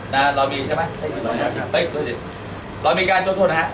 นะเรามีใช่ไหมเอ้ยเรามีการโทษโทษนะฮะ